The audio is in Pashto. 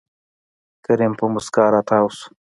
کريم په موسکا راتاو شو.